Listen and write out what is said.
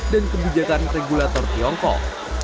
dan kebijakan regulator tiongkok